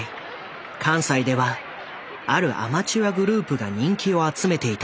関西ではあるアマチュアグループが人気を集めていた。